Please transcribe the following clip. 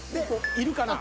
いるかな？